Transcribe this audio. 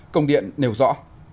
công điện nêu rõ